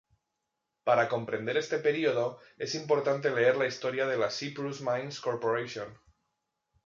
Para comprender este período, es importante leer la historia de la Cyprus Mines Corporation.